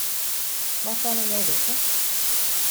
Wat wolle jo witte?